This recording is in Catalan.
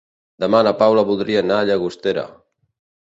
Demà na Paula voldria anar a Llagostera.